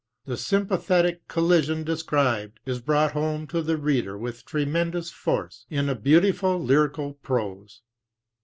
The sympathetic collision described is brought home to the reader with tremen dous force in a beautiful lyrical prose.